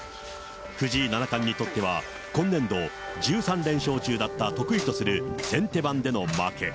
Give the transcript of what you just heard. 藤井七冠にとっては、今年度、１３連勝中だった得意とする先手番での負け。